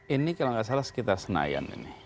ini kalau nggak salah sekitar senayan ini